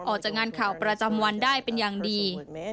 ออกจากงานข่าวประจำวันได้เป็นอย่างดี